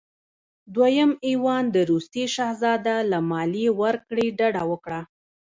دویم ایوان د روسیې شهزاده له مالیې ورکړې ډډه وکړه.